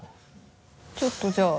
ちょっとじゃあ。